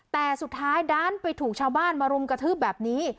แต่สุดท้ายด้านไปถูกชาวบ้านมารุมกระทืบแบบนี้